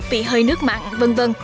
bị hơi nước mặn v v